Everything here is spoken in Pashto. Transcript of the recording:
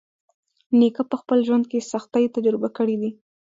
نیکه په خپل ژوند کې سختۍ تجربه کړې دي.